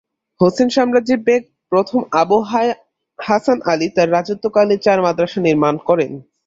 হোসেন সাম্রাজ্যের বেগ প্রথম আবু আই-হাসান আলী তার রাজত্বকালে চার মাদ্রাসা নির্মাণ করেন।